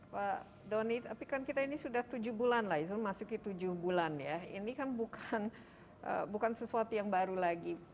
pak doni tapi kan kita ini sudah tujuh bulan ini kan bukan sesuatu yang baru lagi